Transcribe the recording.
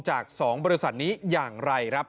จาก๒บริษัทนี้อย่างไรครับ